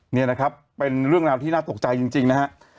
นี่นะครับเป็นเรื่องราวที่น่าตกใจจริงนะฮะ